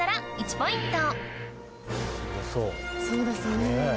そうですよね。